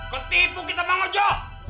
ketipu kita bang ojo